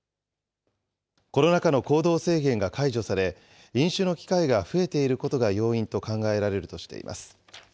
コロナ禍の行動制限が解除され、飲酒の機会が増えていることが要因と考えられるとしています。